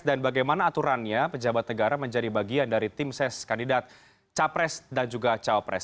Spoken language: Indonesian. dan bagaimana aturannya pejabat negara menjadi bagian dari tim ses kandidat capres dan juga caopres